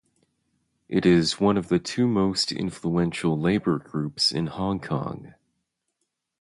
It is one of the two most influential labour groups in Hong Kong.